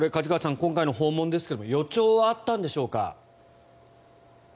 今回の訪問ですが予兆はあったんでしょうか。